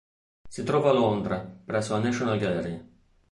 Si trova a Londra, presso la National Gallery.